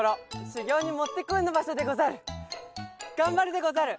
しゅぎょうにもってこいのばしょでござる。